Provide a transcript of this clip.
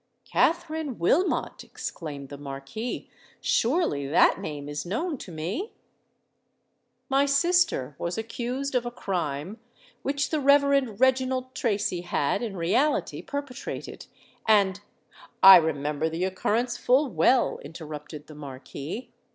"Katherine Wilmot!" exclaimed the Marquis: "surely that name is known to me?" "My sister was accused of a crime which the Rev. Reginald Tracy had in reality perpetrated; and——" "I remember the occurrence full well," interrupted the Marquis.